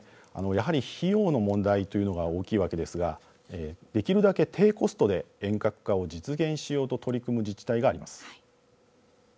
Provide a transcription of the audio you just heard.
やはり費用の問題というのが大きいわけですが、できるだけ低コストで遠隔化を実現しようと取り組む自治体があります。